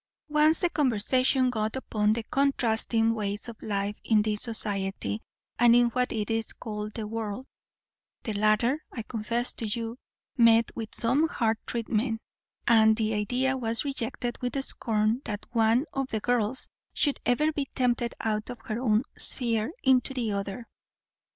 Once the conversation got upon the contrasting ways of life in this society and in what is called the world; the latter, I confess to you, met with some hard treatment; and the idea was rejected with scorn that one of the girls should ever be tempted out of her own sphere into the other.